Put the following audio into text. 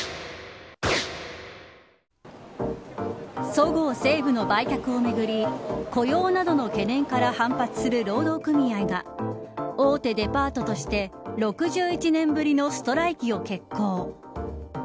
そごう・西武の売却をめぐり雇用などの懸念から反発する労働組合が大手デパートとして６１年ぶりのストライキを決行。